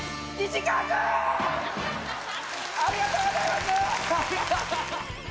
ありがとうございます！